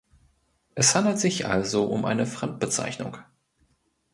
Es handelt sich also um eine Fremdbezeichnung.